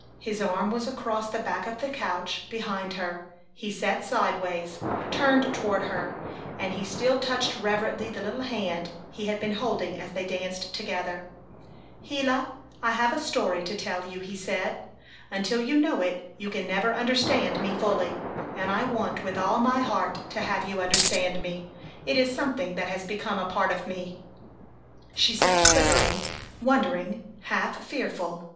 His arm was across the back of the couch behind her; he sat sideways, turned toward her, and he still touched reverently the little hand he had been holding as they danced together. "Gila, I have a story to tell you," he said. "Until you know it you can never understand me fully, and I want with all my heart to have you understand me. It is something that has become a part of me." She sat quivering, wondering, half fearful.